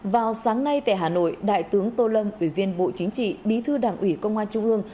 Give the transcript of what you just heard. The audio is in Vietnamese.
vào sáng nay tại hà nội đại tướng tô lâm ủy viên bộ chính trị bí thư đảng ủy công an trung ương